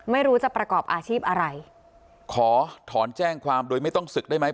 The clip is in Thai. ไม่รู้จะประกอบอาชีพอะไรขอถอนแจ้งความโดยไม่ต้องศึกได้ไหม